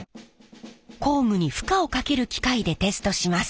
工具に負荷をかける機械でテストします。